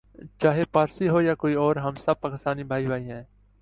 چاہے پارسی ہو یا کوئی اور ہم سب پاکستانی بھائی بھائی ہیں